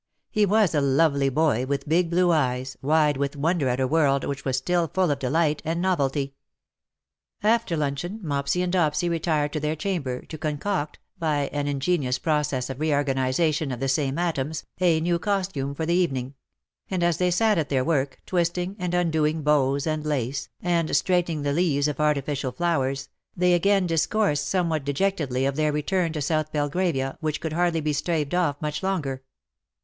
He was a lovely boy, with big blue eyes, wide with wonder at a world which was still full of delight and novel tv. 205 After liinclieon^ Mopsy and Dopsy retired to their chamber, to concoct, by an ingenious process of re organization of the same atoms, a new costume for the evening ; and as they sat at their work, twisting and undoing bows and lace, and straighten ing the leaves of artificial flowers, they again dis coursed somewhat dejectedly of their return to South Belgravia, which could hardly be staved off much longer.